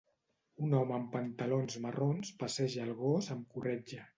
Un home amb pantalons marrons passeja el gos amb corretja.